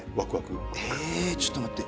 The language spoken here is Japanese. えちょっと待って。